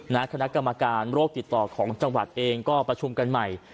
คณะกรรมการโรคติดต่อของจังหวัดเองก็ประชุมกันใหม่